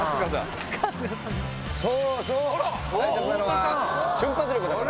そうそう！